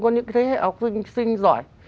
có những thế hệ học sinh giỏi